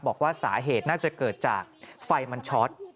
บอกว่าสาเหตุน่าจะเกิดจากไฟมันช็อต